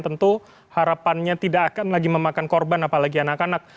tentu harapannya tidak akan lagi memakan korban apalagi anak anak